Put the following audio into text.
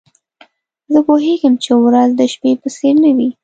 زه پوهیږم چي ورځ د شپې په څېر نه وي.